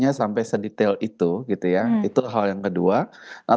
ya apaan tempatnya ini sekarang apa sekali lagi